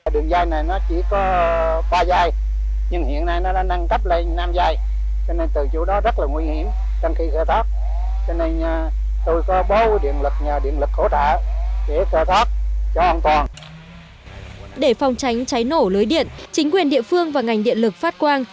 để phòng tránh cháy nổ lưới điện chính quyền địa phương và ngành điện lực phát quang